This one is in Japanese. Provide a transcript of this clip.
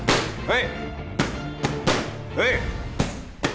はい！